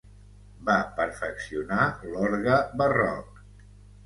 Va perfeccionar l'orgue barroc.